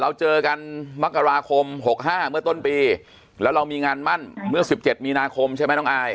เราเจอกันมกราคม๖๕เมื่อต้นปีแล้วเรามีงานมั่นเมื่อ๑๗มีนาคมใช่ไหมน้องอาย